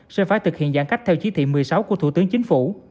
sẽ phải thực hiện giãn cách theo chí thị một mươi sáu của thủ tướng chính phủ